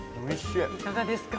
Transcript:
いかがですか？